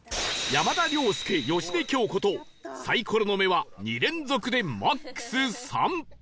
山田涼介芳根京子とサイコロの目は２連続でマックス「３」